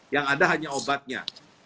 yang ada hanya obatnya